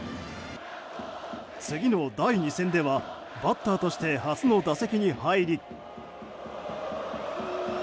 次の第２戦ではバッターとして初の打席に入り。